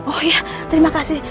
oh iya terima kasih